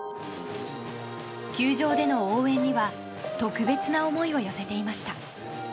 球場での応援には特別な思いを寄せていました。